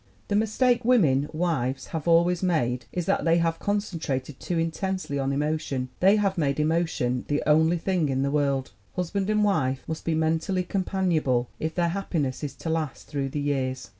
"The mistake women, wives, have always made is that they have concentrated too intensely on emotion. They have made emotion the only thing in the world. Husband and wife must be mentally companionable if their happiness is to last through the years.